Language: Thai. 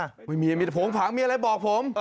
ไม่มีมีแต่ผงผังมีอะไรบอกผม